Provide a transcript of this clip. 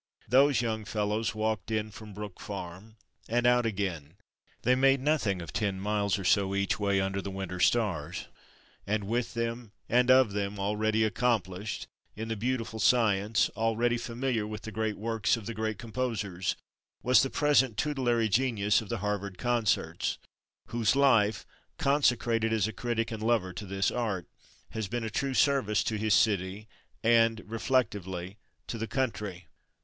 Those young fellows walked in from Brook Farm and out again. They made nothing of ten miles or so each way under the winter stars. And with them and of them, already accomplished in the beautiful science, already familiar with the great works of the great composers, was the present tutelary genius of the Harvard concerts, whose life, consecrated as critic and lover to this art, has been a true service to his city, and, reflectively, to the country.